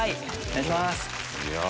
お願いします。